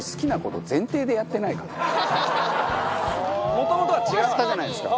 もともとは違ったじゃないですか。